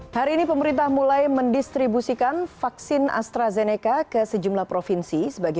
hai hari ini pemerintah mulai mendistribusikan vaksin astrazeneca ke sejumlah provinsi sebagai